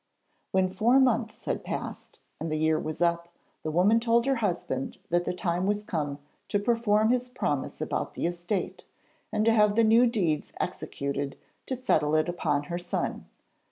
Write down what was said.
When four months had passed, and the year was up, the woman told her husband that the time was come to perform his promise about the estate, and to have the new deeds executed to settle it upon her son.